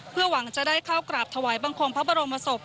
เพื่อหวังจะได้เข้ากราบถวายบังคมพระบรมศพ